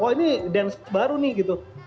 oh ini dance baru nih gitu